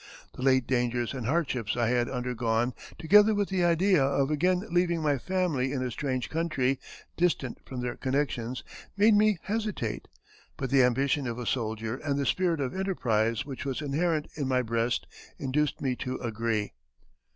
"The late dangers and hardships I had undergone, together with the idea of again leaving my family in a strange country, distant from their connections, made me hesitate; but the ambition of a soldier and the spirit of enterprise which was inherent in my breast induced me to agree."